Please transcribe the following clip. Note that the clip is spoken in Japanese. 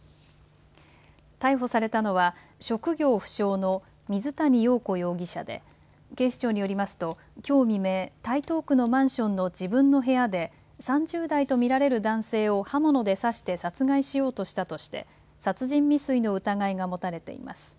逮捕されたのは職業不詳の水谷陽子容疑者で警視庁によりますときょう未明、台東区のマンションの自分の部屋で３０代と見られる男性を刃物で刺して殺害しようとしたとして殺人未遂の疑いが持たれています。